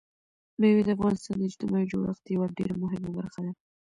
مېوې د افغانستان د اجتماعي جوړښت یوه ډېره مهمه برخه ده.